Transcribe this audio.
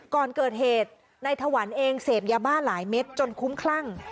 ก่อนเกิดเหตุนายถวันเองเสพยาบ้าหลายเม็ดจนคุ้มคลั่ง